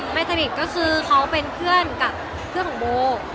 สนิทก็คือเขาเป็นเพื่อนกับเพื่อนของโบ